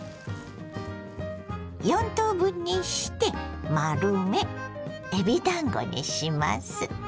４等分にして丸めえびだんごにします。